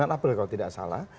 sembilan april kalau tidak salah